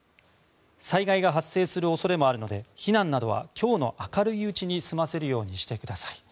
災害が発生する恐れもあるので避難などは今日の明るいうちに済ませるようにしてください。